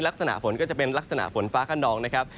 ลักษณะฝนก็จะเป็นลักษณะฝนฟ้าขนองนะครับ